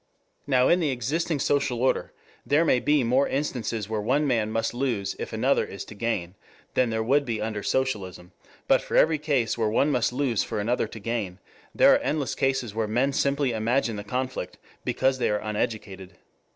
Now in the existing social order there may be more instances where one man must lose if another is to gain, than there would be under socialism, but for every case where one must lose for another to gain, there are endless cases where men simply imagine the conflict because they are uneducated.